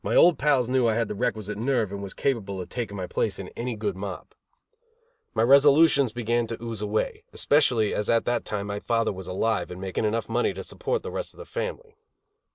My old pals knew I had the requisite nerve and was capable of taking my place in any good mob. My resolutions began to ooze away, especially as at that time my father was alive and making enough money to support the rest of the family.